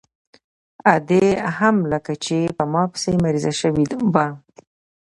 ادې هم لکه چې په ما پسې مريضه سوې وه.